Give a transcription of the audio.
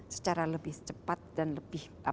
secara lebih cepat dan lebih